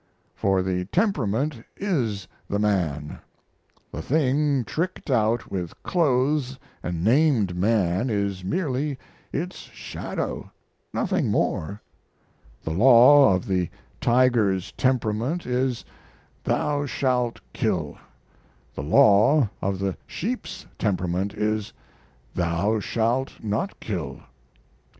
For the temperament is the man; the thing tricked out with clothes and named Man is merely its Shadow, nothing more. The law of the tiger's temperament is, Thou shaft kill; the law of the sheep's temperament is, Thou shalt not kill.